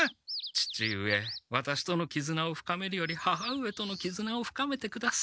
父上ワタシとのきずなを深めるより母上とのきずなを深めてください。